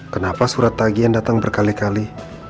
kenapa surat tagian datang berkali kali